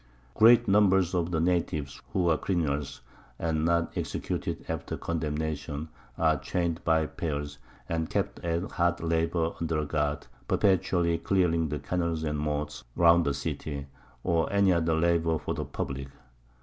Great Numbers of the Natives, who are Criminals, and not executed after Condemnation, are chain'd by Pairs, and kept at hard Labour under a Guard, perpetually clearing the Canals and Moats round the City, or any other Labour for the publick.